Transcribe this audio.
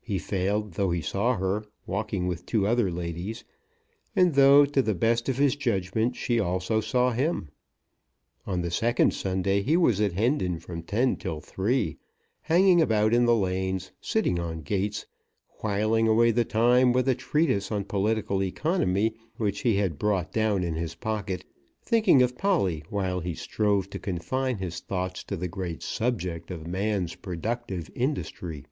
He failed, though he saw her, walking with two other ladies, and though, to the best of his judgment, she also saw him. On the second Sunday he was at Hendon from ten till three, hanging about in the lanes, sitting on gates, whiling away the time with a treatise on political economy which he had brought down in his pocket, thinking of Polly while he strove to confine his thoughts to the great subject of man's productive industry.